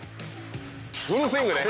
フルスイングね。